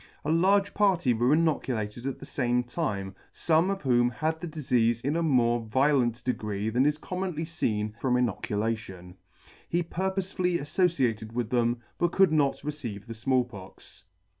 A large party were inoculated at the fame time, fome of whom had the difeafe iri a more violent degree [ n ] degree than is commonly feen from inoculation. He purpofely affociated with them, but could not receive the Small Pox.